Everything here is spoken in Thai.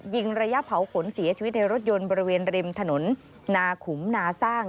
ระยะเผาขนเสียชีวิตในรถยนต์บริเวณริมถนนนาขุมนาสร้าง